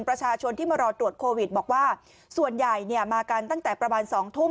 ประชาชนที่มารอตรวจโควิดบอกว่าส่วนใหญ่เนี่ยมากันตั้งแต่ประมาณ๒ทุ่ม